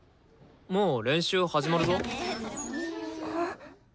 もう練習始まるぞ。